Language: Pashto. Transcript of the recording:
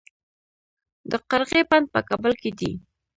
د قرغې بند په کابل کې دی